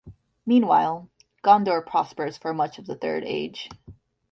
Meanwhile, Gondor prospers for much of the Third Age.